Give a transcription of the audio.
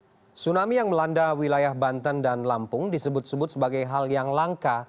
tsunami yang melanda wilayah banten dan lampung disebut sebut sebagai hal yang langka